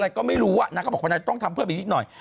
ก็ไม่รู้นางก็บอกว่านางต้องทำเพิ่มอีกนิดหน่อย